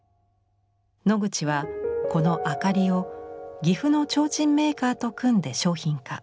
ノグチはこの「あかり」を岐阜の提灯メーカーと組んで商品化。